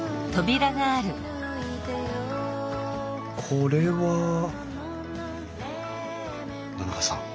これは野中さん